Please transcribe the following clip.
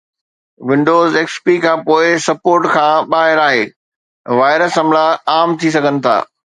Windows XP کان پوءِ support کان ٻاهر آهي، وائرس حملا عام ٿي سگهن ٿا